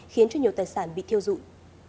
khiến cho nhiều tài sản bị thiêu dụng